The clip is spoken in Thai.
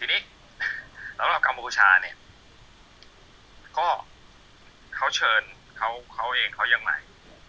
ทีนี้สำหรับกัมพูชาเนี่ยก็เขาเชิญเขาเองเขายังใหม่